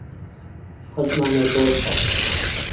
حەزمان لە گۆڵفە.